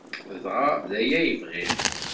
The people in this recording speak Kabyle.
Dɣa d aya ay bɣiɣ.